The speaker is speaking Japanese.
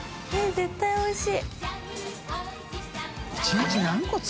絶対おいしい。